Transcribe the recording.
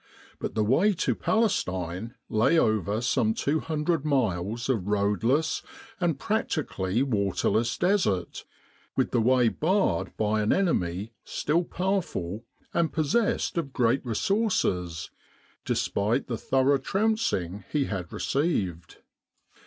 But the way to Palestine lay over some 200 miles of roadless and practically waterless Desert, with the way barred by an enemy still powerful and possessed of great re sources, despite the thorough trouncing he had re ceived.